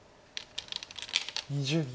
２０秒。